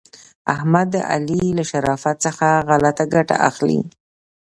احمد د علي له شرافت څخه غلته ګټه اخلي.